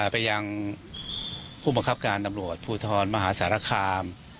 ไปยังผู้บังคับการตำรวจภูทรมหาสารคาม